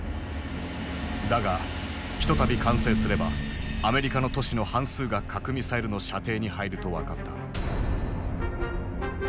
だがひとたび完成すればアメリカの都市の半数が核ミサイルの射程に入ると分かった。